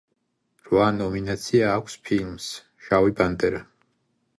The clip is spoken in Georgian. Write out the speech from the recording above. რვა ნომინაცია აქვს ფილმს „შავი პანტერა“.